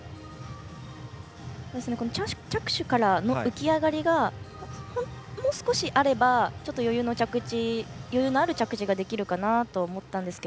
着手からの浮き上がりがもう少しあればちょっと余裕のある着地ができるかなと思ったんですが。